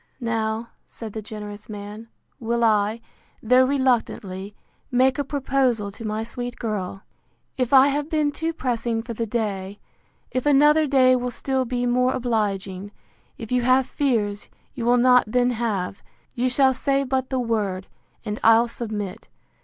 Now, said the generous man, will I, though reluctantly, make a proposal to my sweet girl.—If I have been too pressing for the day: If another day will still be more obliging: If you have fears you will not then have; you shall say but the word, and I'll submit.